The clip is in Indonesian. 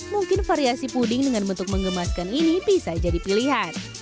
mungkin variasi puding dengan bentuk mengemaskan ini bisa jadi pilihan